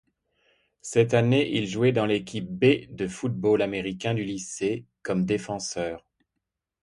Cette année, il jouait dans l’équipe B de football américain du lycée, comme défenseur.